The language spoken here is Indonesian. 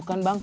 eh bukan bang